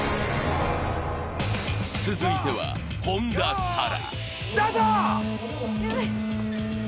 続いては、本田紗来。